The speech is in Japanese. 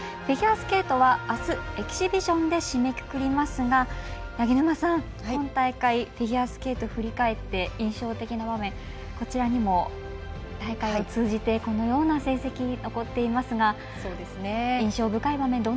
フィギュアスケートはあす、エキシビションで締めくくりますが八木沼さん、今大会フィギュアスケート振り返って印象的な場面、こちらにも大会を通じてこのような成績が残っていますが印象深い場面